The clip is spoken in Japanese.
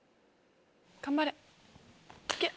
頑張れいけ。